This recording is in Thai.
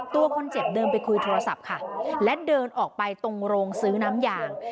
ตัวคนเจ็บเดินไปคุยโทรศัพท์ค่ะและเดินออกไปตรงโรงซื้อน้ำยาง